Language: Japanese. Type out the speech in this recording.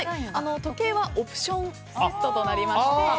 時計はオプションセットとなりまして。